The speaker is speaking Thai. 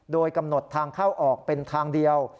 โดยกำหนดทางเข้าออกเป็นทางเดียว